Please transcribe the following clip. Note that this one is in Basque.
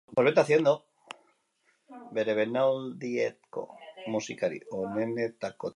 Bere belaunaldiko musikari onenetakotzat daukate.